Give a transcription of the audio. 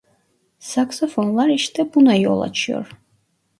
Saksofonlar işte buna yol açıyor.